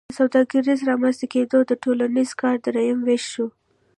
د سوداګر رامنځته کیدل د ټولنیز کار دریم ویش شو.